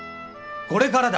これからだ！